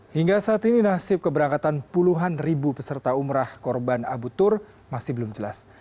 hingga saat ini nasib keberangkatan puluhan ribu peserta umrah korban abu tur masih belum jelas